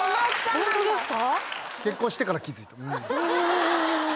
ホントですか？